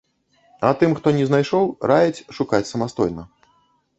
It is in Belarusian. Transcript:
А тым, хто не знайшоў, раяць шукаць самастойна.